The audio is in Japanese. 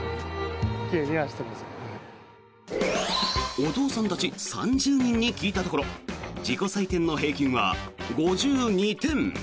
お父さんたち３０人に聞いたところ自己採点の平均は５２点。